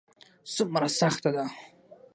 څومره سخته ده ؟